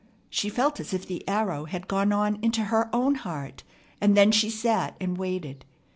She felt as if the arrow had gone on into her own heart, and then she sat and waited.